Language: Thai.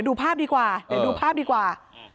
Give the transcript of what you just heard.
เดี๋ยวดูภาพดีกว่า